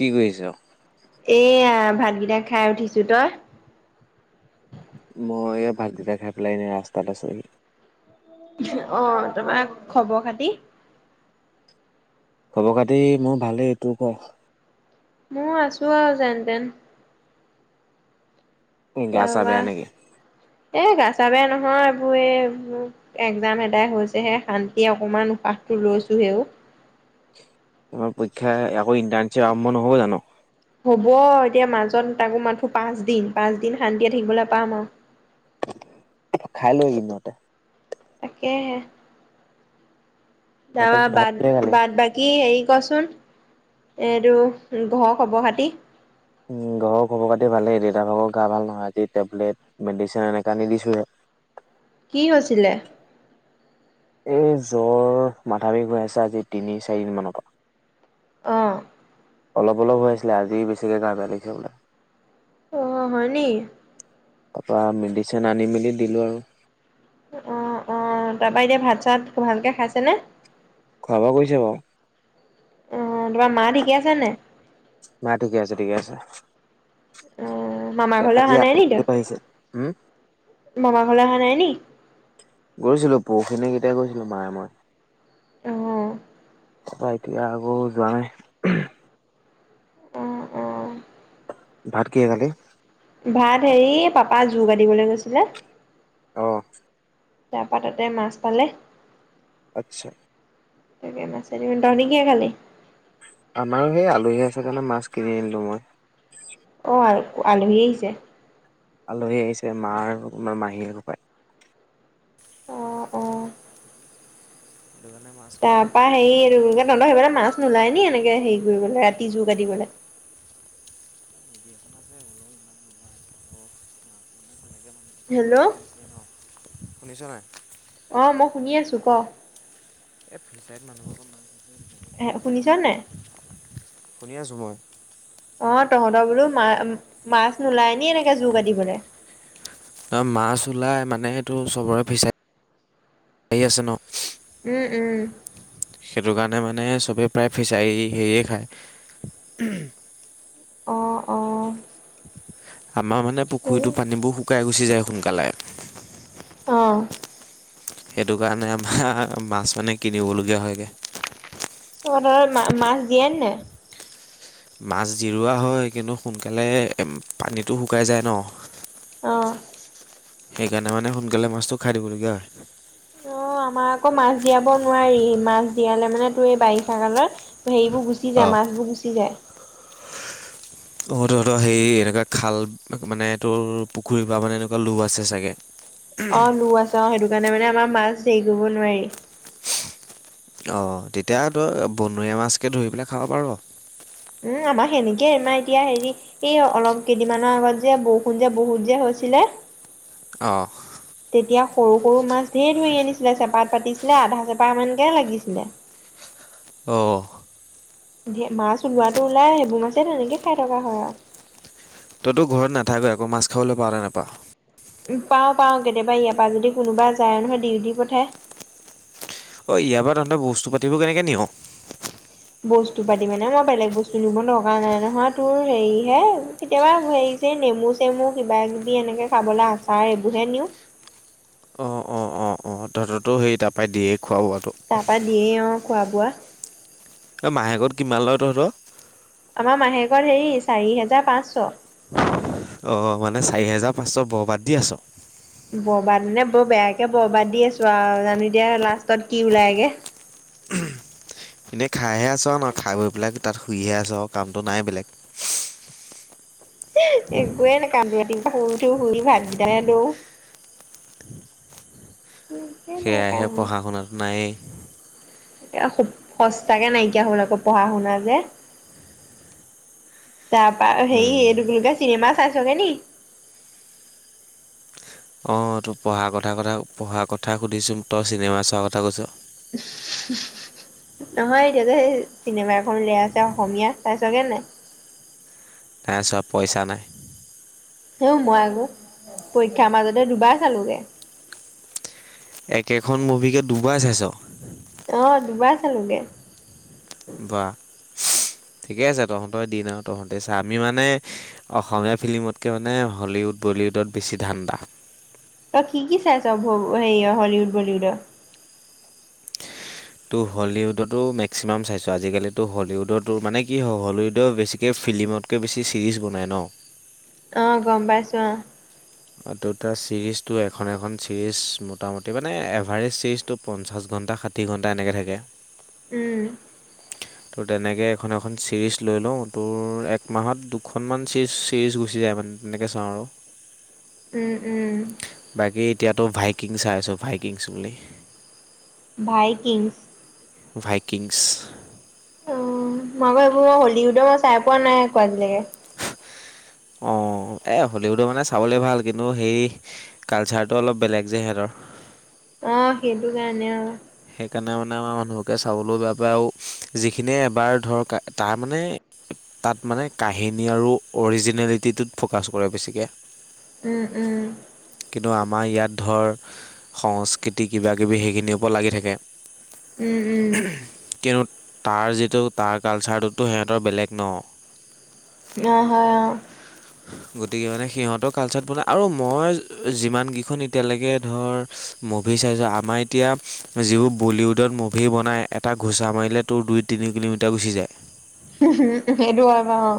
কি কৰিছ? এয়া ভাতকেইটা খাই উঠিছো ।তই মই এই ভাত কিটা খাই পেলাই এনেই ৰাস্তাত আছোঁহি। অ তোমাৰ খবৰ খাতি? খবৰ খাতি মোৰ ভালেই তোৰ ক। ময়ো আছো আৰু যেনতেন। গা ছা তাৰপা বেয়া নেকি? এ গাচা বেয়া নহয় এইবোৰ এই একজাম এদাই হৈছেহে শান্তি অকমান উশাহটো লৈছোহেও। তোমাৰ পৰীক্ষা আকৌ ইণ্টাৰচিপ আৰম্ভ নহব জানো। হ'ব এতিয়া মাজত তাকো মাথো পাঁচদিন পাঁচদিন শান্তিয়ে থাকিবলৈ পাম আৰু। খাই লৈ ই নতে তাকেহে না তাৰপা ভাত বাদ কিহে খালি? বাদ বাকী হেৰি কচোন। এইটো ঘৰ খবৰ খাতি। ঘৰৰ খবৰ পাতি ভালেই দেউতা ভাকৰ গা ভাল নহয় আজ টেবলেট মেডিচিন এনেকা আনি দিছোঁহে। কি হৈছিলে? এই জ্বৰ মাথা বিষ হৈ আছে আজি তিনি চাৰিদিন মানৰ পৰা আহ অলপ অলপ হৈ আছিলে আজি বেছিকে গা বেয়া লাগিছে বোলে। অ হয় নি। তাৰপৰা মেডিচিন আনি মেলি দিলোঁ আৰু। অ অ তাৰাপা এতিয়া ভাত চাত ভালকে খাইছেনে? খোৱা বোৱা কৰিছে বাৰু। অ তোমাৰ মা ঠিকে আছে নে? মা ঠিকে আছে ঠিকে আছে। অ মামাৰ ঘৰলৈ আজি অহা নাই নি আলহীও আহিছে। উম? ত মামাৰ ঘৰলৈ অহা নাই নি। গৈছিলো পহখিনি কেতিয়া গৈছিলো মায়ে মই। আহ তাৰপা এতিয়া আকৌ যোৱা নাই। অ', অ'। ভাত কিহে খালি? ভাত হেৰি পাপ পা যোগ আ দিবলৈ গৈছিলে। আহ। তাৰ পৰা তাতে মাছ পালে। আচ্ছা। তহঁতি কিহে খালি? আমাৰো সেই আলহী আছে কাৰণে মাছ কিনি আনিলো মই। অ আলহী আহিছে। আলহী আহিছে মাৰ আৰ মাহী হপাই। অ অ সেইটো কাৰণে মাছ কিনি তাৰপা হেৰি আনিলো আৰু তন্ত হৈ ফালে মাছ। নোলায় নি এনেকে হেৰি কৰিবলে ৰাতি যোৰ কৰিবলে। নদী এখন আছে হ'লেও ইমান নোলাই মাছ মানে তেনেকে মানুহবিলাকে হেল্ল' ফিচাৰীত আছে ন শুনিছ নাই অ মই শুনি আছো ক এই ফিচাইত মানুহৰ মাছ আছে এ কিনি পেলাই শুনিছানে নাই নাখায় শুনি আছোঁ মই অ তহঁতৰ বোলো মা মাছ নোলাই নি এনেকে যো কাটিবলে মাছ ওলাই মানে সেইটো চবৰে ফিচাই হি আছে ন উম উম দগানে মানে চবে প্ৰায় ফিচাৰী হেৰিয়ে খায় অ অ [inaudible] আমাৰ মানে পুখুৰীতো পানীবোৰ শুকাই গৈছে গুচি যায় সোনকালে অহ সেইটো কাৰণে আমাৰ মাছ মানে কিনিবলগীয়া হয়গে ঘৰৰ মা মাছ দিয়েন নে মাছ জিৰোৱা হয় কিন্তু সোনকালে পানীটো শুকাই যায় ন অহ সেইকাৰণে মানে সোনকালে মাছটো খাই দিবলগীয়া হয়। অ আমাৰ আকৌ মাছ দিয়াব নোৱাৰি মাছ দিয়ালে মানে তোৰ এই বাৰিষা কালত সেইবোৰ গুচি যায় অঁ মাছ বোৰ গুচি যায় অহতহঁতৰ সেই এনেকুৱা খাল মানে তোৰ পুখুৰীৰ বা মানে এনেকুৱা লো আছে চাগে। অ লো আছে অ সেইটো কাৰণে মানে আমাৰ মাছ দেই কৰিব নোৱাৰি। অ তেতিয়া তই বনৰীয়া মাছকে ধৰি পেলাই খাব পাৰ। উম আমাৰ সেনেকেইমাৰ এতিয়া হেৰি এই অলপ কেইদিনমানৰ আগত যে বৰষুণ যে বহুত যে হৈছিলে অ যেতিয়া সৰু সৰু মাছ ধেৰ ধৰি আনিছিলে চেপাত পাতিছিলে আধা চেপা মানকে লাগিছিলে। অহ ধে মাছ ওলোৱাাতটো ওলাই সেইবোৰ মাছেই তেনেকে খাই থকা হয় আৱ তইতো ঘৰত নাথাকৈ আকৌ মাছ খাবলৈ পাৱনে নাপাৱ উ পাও পাও কেতিয়াবা ইয়াৰ পৰা যদি কোনোবা যায় নহয় দি দিপথাই অ ইয়াৰ পৰা তহঁতে বস্তু পাতিবোৰ কেনেকে নিয়? বস্তু পাতি মানে মই বেলেগ বস্তু নিব দৰকাৰ নাই নহয় তোৰ হেৰিহে কেতিয়াবা হেৰি নেমু চেমু কিবা কিবি এনেকে খাবলৈ আচাৰ এইবোৰহে নিওঁ অ তহঁতো সেইৰি তাৰ পৰাই দিয়েই তাপা দিয়ে অ খোৱা বোৱা অ মাহেকত কিমান লয় তহঁতৰ? আমাৰ মাহেকত হেৰি চাৰি হেজাৰ পাঁচশ অ মানে চাৰি হেজাৰ পাঁচশ বৰ বাদ দি আছ বৰবাদ নে বৰ বেয়াকে বৰবাদ দি আছো আৰু জানো দিয়া লাষ্টত কি ওলাইগে। এনেই খাইহে আছো ন খাই বৈ পেলাই তাত শুইহে আছো আৰু কামটো নাই বেলেগ। একোৱয়ে ন কান্দো ৰাতিপুৱা শুই উঠি হাত ভৰি কেতা সেয়াহে পঢ়া শুনাত নায়েই। সঁচাকে নাইকিয়া হ'ল আকৌ পঢ়া শুনা যে। তাৰপা হেৰি এই উম। টো কি বুলি কয় চিনেমা চাইছগে নি? অঁ তোৰ পঢ়াৰ কথা কথা পঢ়াৰ কথা সুধিছোঁ তই চিনেমা চোৱাৰ কথা কৈছ। নহয় এতিয়া যে সেই চিনেমা এখন উলিয়াইছে অসমীয়া চাইছ গে নে? নাই চোৱা পইচা নাই। হ মই আকৌ পৰীক্ষাৰ মাজতে দুবাৰ চালোগে। একেখন মুভিকে দুবাই চাইছ। অ দুবাৰ চালোগে। বা ঠিকে আছে তহঁতেই দিন আৰু তহঁতে চা আমি মানে অসমীয়া ফিল্মতকে মানে হলিউড বলিউডত বেছি ধান্দা। ত কি কি চাইছ সে হলিউড বলিউডৰ? ত' হলীউডতো মেক্সিমাম চাইছোঁ আজিকালিতো হলীউডতো মানে কি হয় হলীউডৰ বেছিকৈ ফিল্মতকৈ বেছি চিৰিজ বনায় ন। আহ গম পাইছো আহ। ত ত চিৰিজটো এখন এখন চিৰিজ মোটামুটি মানে এভাৰেজ চিৰিজটো পঞ্চাছ ঘণ্টা ষাঠি ঘণ্টা এনেকৈ থাকে। উম। ত' তেনেকৈ এখন এখন চিৰিজ লৈ লওঁ তোৰ এক মাহত দুখনমান চি ছিৰিজ গুচি যায় মানে তেনেকৈ চাওঁ আৰু। উম উম। বাকী এতিয়াতো ভাইকিং চাইছোঁ ভাইকিং ছবি। ভাই কিংছ। ভাইকিংছ। অ মাকৌ এইবোৰ হলিউডৰ মই চাই পোৱা নাই আকো আজিলৈকে। অ এ হলিউডৰ মানে চাবলে ভাল। কিন্তু সেই কালচাৰটো অলপ বেলেগ যে সিহঁতৰ। আহ সেইটো কাৰনে অ। সেইকাৰণে মানে আমাৰ মানুহকে চাবলৈ বেয়া পায় আৰু যিখিনিয়ে এবাৰ ধৰক তাৰ মানে তাত মানে কাহিনী আৰু অৰিজিনেলিটিটোত ফ'কাছ কৰে বেছিকৈ। উম উম। কিন্তু আমাৰ ইয়াত ধৰ সংস্কৃতি কিবা কিবি সেইখিনিৰ ওপ লাগি থাকিলে। উম, উম, তাক [unintelligible] তাৰ যিটো তাৰ কালচাৰটোতো সিহঁতৰ বেলেগ ন? আহ হ আহ। গতিকে মানে সিহঁতৰ কালচাৰত মানে আৰু মই যিমানকেইখন এতিয়ালৈকে ধৰ মুভি চাইছো। আমাৰ এতিয়া যিবোৰ বলিউডত মুভি বনাই এটা ঘোঁচা মাৰিলে তোৰ দুই তিনি কিলোমিটাৰ গুচি যায়। সেইটো হয় বাৰু অ।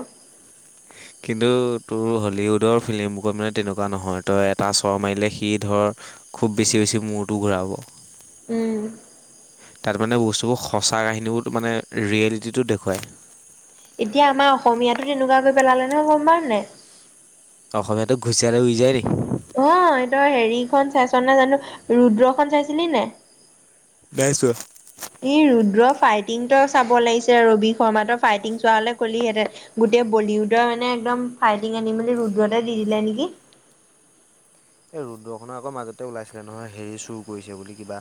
কিন্তু তোৰ হলিউডৰ ফিল্মবুকত মানে তেনেকুৱা নহয় তই এটা চৰ মাৰিলে সি ধৰ খুব বেছি বেছি মূৰটো ঘূৰাব। উম। তাত মানে বস্তুবোৰ সঁচা কাহিনীও মানে ৰিয়েলিটিটো দেখুৱায়। এতিয়া আমাৰ অসমীয়াতো তেনেকুৱাকৈ পেলালে নহয় গম প নে? অসমীয়াটো ঘুচিয়া আৰু উই যায় ন? অ তই হেৰিখন চাইছ নে জানো ৰুদ্ৰখন চাইছিলি নাই? নাই চোৱা। ই ৰুদ্ৰৰ ফাইটিংটো চাব লাগিছে ৰবি শৰ্মাটোৰ ফাইটিং চোৱা হলে ক'লিহেঁতেন। গোটেই বলিউডৰ মানে একদম ফাইটিং আনি মেলি ৰুদ্ৰতে দি দিলে নেকি এই ৰ'দ্ৰখনৰ আকৌ মাজতে ওলাইছিলে নহয় হেৰি চুৰ কৰিছে বুলি কিবা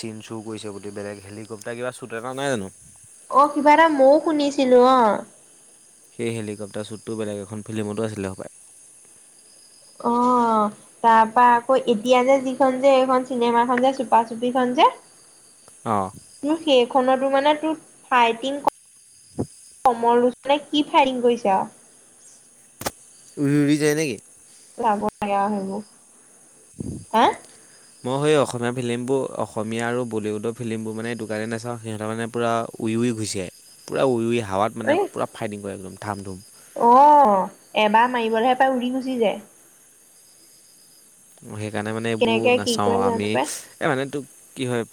চিন চুৰ কৰিছে বুলি বেলেগ হেলিকপটাৰ কিবা শ্বুট এটা নাই জানো? অ কিবা এটা মইও শুনিছিলো অ সেই হেলিকপ্টাৰ শ্বুটটো বেলেগ এখন ফিল্মতো আছিলে সবায় অ তাৰ পৰা আকৌ এতিয়া যে যিখন যে এইখন চিনেমাখন যে চুপা চুপিখন যে অ তোৰ সেইখনতো মানে ফাইটিং সমমৰ। মানে কি ফায়ৰিং কৰিছা। উৰি উৰি যায় নেকি। যাব লাগে আও সেইবোৰ হে। মই সেই অসমীয়া ফিলিমবোৰ অসমীয়া আৰু বলিউডৰ ফিলিমবোৰ মানে দোকণে নাচাওঁ সিহঁতে মানে পূৰা উইৰি ঘুচিয়ায় পূৰা উইই। এ অ এবাৰ মাৰিবলৈহে। উৰি গুচি যায়। বহি। সেইকাৰণে মানে এইবোৰ কেনেকে কি নাচাওঁ কৰে জানো আমি পাই। এই মানে তোক। কি হয়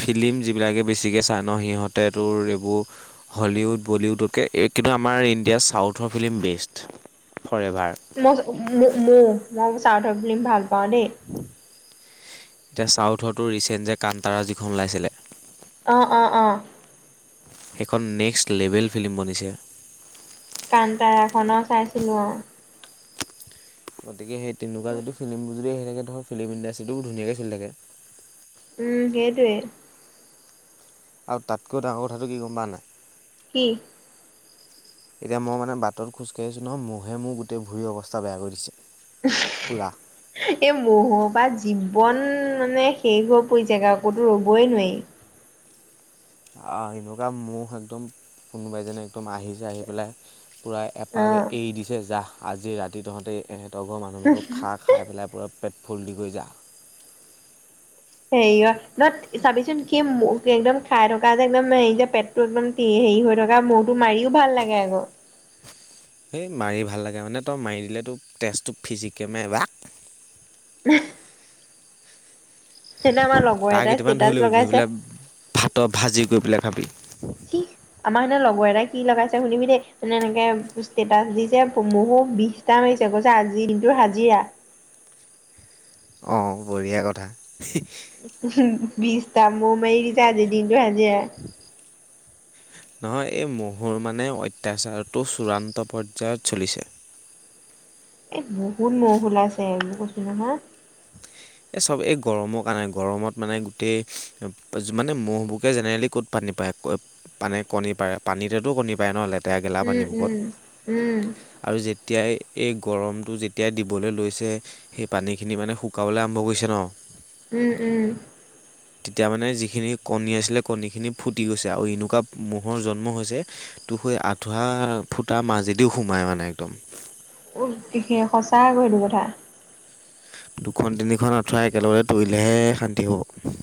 ফিলি্ম যিবিলাকে বেছিকৈ চাই ন সিহঁতেতোৰ এইবোৰ হলিউড বলিউডতকে কিন্তু আমাৰ ইণ্ডিয়াৰ চাউথৰ ফিলি্ম বেষ্ট। ফৰ এভাৰ মু -মু -মু। চাউডৰ ফিলিম ভাল। পাওঁ দেই। এতিয়া চাউথ হোৱাটো ৰিচেণ্ট যে কান্তাৰা যিখন ওলাইছিলে। অহ অহ অহ। এখন নেক্সট লেভেল ফিল্ম বনিছে। কান্তাৰাখনো চাইছিলো অ'। গতিকে সেই। তেনেকুৱা যদি ফিল্ম যদি আহে। তেনেকৈ ধৰক ফিল্ম ইণ্ডাষ্ট্ৰিটোও ধুনাকৈ ছলি থাকে। উম সেইটোৱে। আৰু তাতকৈও ডাঙৰ কথাটো কি গম পোৱা নাই। কি। এতিয়া মই মানে বাটত খোজকাঢ়িছোঁ নহয় মহে মোৰ গোটেই ভুৰি অৱস্থা বেয়া কৰি দিছে। পূৰা এই মহ বা জীৱন। মানে শেষ হৈ পৰি যগা আকৌতো ৰবই নোৱাৰি। এনেকুৱা ম একদম কোনোবাইজনে একদম আহিছে আহি পেলাই। পূৰাই এপালে অ'। এৰি দিছে জাহ। আজি ৰাতি তহঁতে। আট ঘৰ মানুহবোৰক খা খাইেলাই পোৱা। পেটফুল দি গৈ যা। হেৰিয় নহ চাবিচোন সি ম একদম খাই থকা যে একদম হে যে পেটটো একদম কি হেৰি হৈ থকা মৌৰটো মাৰিও ভাল লাগে আকৌ। সেই মাৰি ভাল লাগে মানে তই মাৰি দিলেতো তেজটো ফিজিকেমে এবাক। [unintelligible] তেনে আমাৰ লগৰ তাৰ এটাই কেইটামান ধৰি ষ্টেটাচ ল'বি ধৰি লগাইছে পেলাই ভাতত ভাজি কৰি পেলাই খাবি কি আমাৰ সনে লগৰ এটাই। কি লগাইছে শুনিবি দেই মানে এনেকে ষ্টেটাচ দিছে মহহো বিশটা মাৰিছে কৈছে আজি দিনটো হাজিৰা। অ বঢ়িয়া কথা। বিছটাম ম মই। আজি দিনটো ভাজি। নহয় এই মহুৰ মানে অত্যাচাৰটো চূড়ান্ত পৰ্যায়ত চলিছে। এই বহুত মহ ওলাইছে এইব কৈছ নহয়। এই চব এই গৰমৰ কাৰণে গৰমত মানে গোটেই, মানে মহ'বুকে জেনেৰেলি ক'ত পানী পায় মানে, কণী পাৰে পানীতেতো কণী পাৰে নহ'লে। তেৰগেলা উম পানীবুকত উম উম আৰু যেতিয়াই। এই গৰমটো যেতিয়া দিবলৈ লৈছে, সেই পানীখিনি মানে। শুকাবলৈ আৰম্ভ কৰিছে ন। উম উম। তেতিয়া মানে যিখিনি কণী আছিলে কণীখিনি ফুটি গৈছে আৰু এনেকুৱা ম'ৰ জন্ম হৈছে তো সেই আঠুৱা ফুটা মাজেদিও সোমায় মানে একদম। সঁচা আকৌ সেইটো কথা দুখন তিনিখন আঁঠুৱা একেলগে তৰিলেহে শান্তি হ'ব।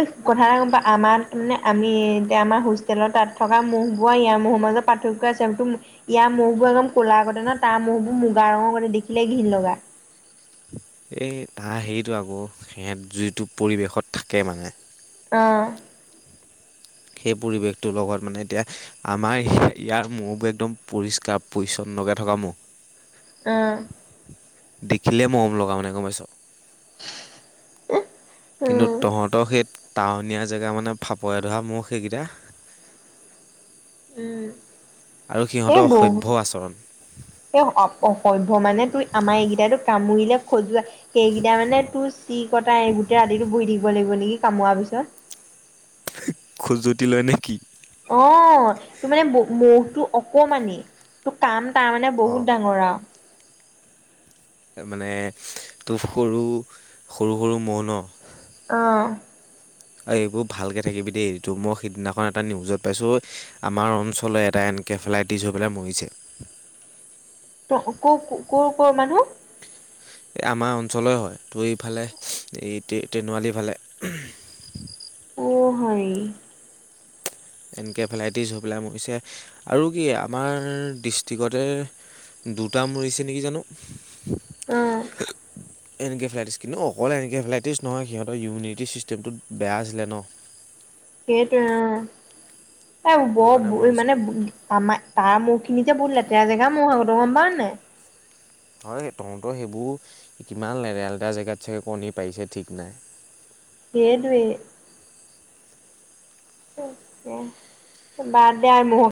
এই কথা এটা গম পা আমাৰ মানে আমি এতিয়া আমাৰ হোষ্টেলৰ তাত থকা মহ বোৰ ইয়াৰ মহ মাজত পাৰ্থক্য আছেো ইয়াৰ ম বোৱা একদম। ক'ল আগতে ন তাৰ মহবোৰ ম। গ। দেখিলে ঘিন লগা। এই ত হেটো আকৌ, সিহঁত যিটো পৰিৱেশত থাকে মানে। অ। সেই পৰিৱেশটোৰ লগত মানে, এতিয়া আমাৰ ইয়াৰ মহবোৰ একদম পৰিষ্কাৰ পৰিছন্নকে থকা ম। আহ। দেখিলে মৰম লগা মানে গমাইছ। কিন্তু উম, তহঁতৰ সেত। টাৱনীয়া জেগা মানে ফাপৰে ধৰা মোক সেইকেইটা। উম আৰু এই সিহঁতৰ বহু অসভ্য আচৰণ এই অ অসভ্য মানে তু আমাৰ এইকেইটাতো কামুৰিলে। খজোৱা। সেইকেইটা মানে তোৰ চি কটা এই গোটেই ৰাতিতো বহি থাকিব লাগিব নেকি? কামোৱাৰ পিছত। জুতি লয় নেকি? অ তোৰ মানে মহটো অকমানি, তোৰ কাম। তাৰমানে অঁ বহুত ডাঙৰ আৰু। মানে ত সৰু, সৰু সৰু মহ ন। আহ। এইবোৰ ভালকৈ থাকিবি দেই এইটো মই সিদিনাখন এটা নিউজত পাইছোঁ, আমাৰ অঞ্চললে এটা এনকেফেলাইটিছ হৈ পেলাই মৰিছে। ক ক কৰ মানুহ। এই আমাৰ অঞ্চলেই হয়, ত ইফালে এই তেনুৱালীফালে। অ হয়। এনকেফেলাইটিছ হৈ পেলাই মৰিছে, আৰু কি আমাৰ ডিষ্ট্ৰিকতে দুটা মৰিছে নেকি জানো। আহ। এনকেফেলাইটিছ কিন্তু অকল এনকেফেলাইটিছ নহয়, সিহঁতৰ ইমিউনিটি চিষ্টেমটো বেয়া আছিলে ন'। সেইটোৱে অ', এ, ' সেইটো কাৰণে বৰ মৰিছে মানে, আমাৰ তাৰ মোৰ খিনি যে বহুত লেতেৰা জেগা মোৰ সেতু গম পাও নে নাই। হয়, তহঁতৰ সেইবোৰ কিমান লেতে -লতেৰা জেগাত চাগে কণী পাৰিছে ঠিক নাই। সেইটোৱে। বাদ দে আৰু মোৰ